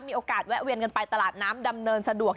แวะเวียนกันไปตลาดน้ำดำเนินสะดวก